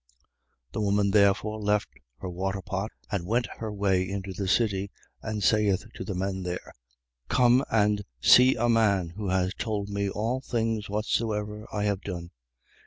4:28. The woman therefore left her waterpot and went her way into the city and saith to the men there: 4:29. Come, and see a man who has told me all things whatsoever I have done.